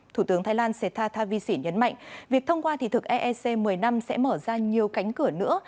thủ tướng thái lan seta thavisi nhấn mạnh việc thông qua thị thực eec một mươi năm sẽ mở ra nhiều cánh cửa nữa